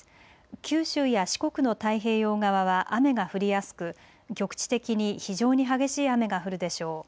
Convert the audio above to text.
九州や四国の太平洋側は雨が降りやすく、局地的に非常に激しい雨が降るでしょう。